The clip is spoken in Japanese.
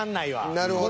なるほど。